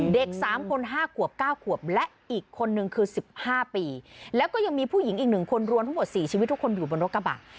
เด็ก๓คน๕ขวบ๙ขวบและอีกคนนึงคือ๑๕ปีแล้วก็ยังมีผู้หญิงอีก๑คนรวมทั้งหมด๔ชีวิตทุกคนอยู่บนรถกระบะ